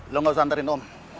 lo gak usah ntarin om